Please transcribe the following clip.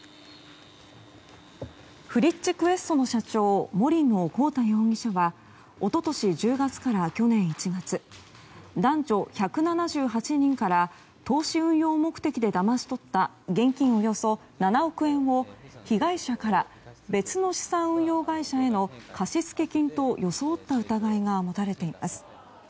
フリッチクエストの社長森野広太容疑者は一昨年１０月から去年１月男女１７８人から投資運用目的でだまし取った現金およそ７億円を被害者から別の資産運用会社への貸付金と装った疑いが持たれています。